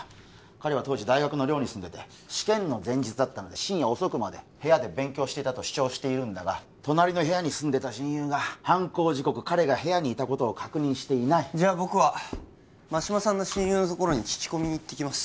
彼は当時大学の寮に住んでて試験の前日だったので深夜遅くまで部屋で勉強してたと主張しているんだが隣の部屋の親友が犯行時刻彼が部屋にいたのを確認してない僕は真島さんの親友の所に聞き込みに行ってきます